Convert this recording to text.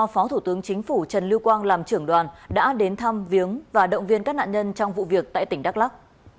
phó thủ tướng chính phủ trần lưu quang làm trưởng đoàn đã đến thăm viếng và động viên các nạn nhân trong vụ việc tại tỉnh đắk lắc